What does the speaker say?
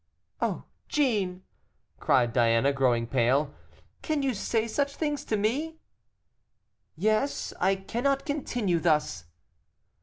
"Oh, Jeanne!" cried Diana, growing pale, "can you say such things to me?" "Yes, I cannot continue thus."